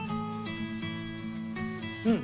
うん。